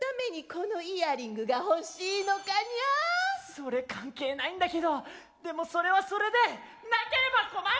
それ関係ないんだけどでもそれはそれでなければ困る。